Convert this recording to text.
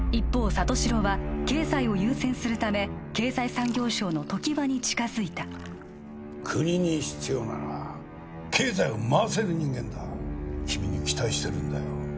里城は経済を優先するため経済産業省の常盤に近づいた国に必要なのは経済を回せる人間だ君に期待してるんだよ